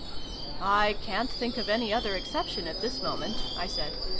" I ca'n't think of any other exception at this moment," I said.